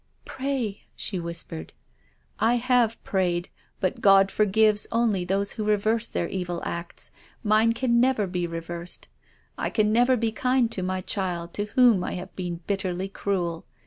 " Pray !" she whispered. " I have prayed. But God forgives only those THE DEAD CHILD. 211 who reverse their evil acts. Mine can never be reversed. I can never be kind to my child to whom I have been bitterly cruel.